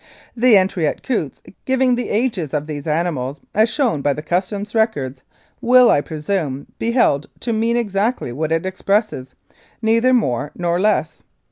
"The entry at Coutts giving the ages of these animals, as shown by the Customs records, will, I presume, be held to mean exactly what it expresses, neither more nor less.